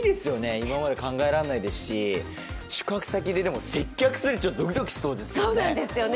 今まで考えられないですし、宿泊先で接客するってちょっとドキドキしそうですね。